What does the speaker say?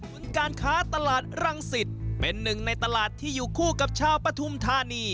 คุณการค้าตลาดรังสิตเป็นหนึ่งในตลาดที่อยู่คู่กับชาวปฐุมธานี